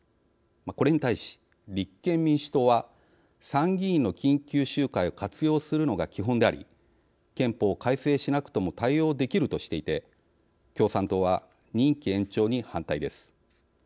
これに対し、立憲民主党は「参議院の緊急集会を活用するのが基本であり憲法を改正しなくとも対応できる」としていて共産党は任期延長に反対です。